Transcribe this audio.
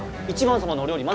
１番様のお料理